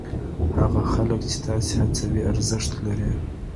هغه خلک چې تاسې هڅوي ارزښت لري.